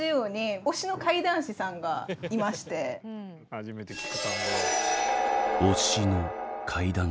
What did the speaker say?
初めて聞く単語だ。